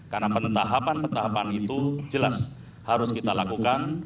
karena pentahapan pentahapan itu jelas harus kita lakukan